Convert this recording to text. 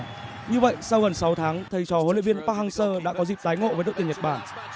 như vậy sau gần sáu tháng thầy trò huấn luyện viên park hang seo đã có dịp tái ngộ với đội tuyển nhật bản